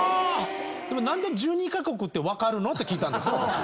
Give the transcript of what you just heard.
でも何で１２カ国って分かるの？って聞いたんです。